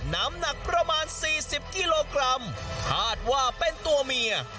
น้ำหนักประมาณ๔๐กิโลกรัมคาดว่าเป็นตัวเมีย